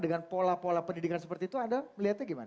dengan pola pola pendidikan seperti itu anda melihatnya gimana